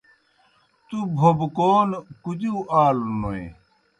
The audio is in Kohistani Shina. تُوْ بھوبکون کُدِیؤ آلوْنوئے؟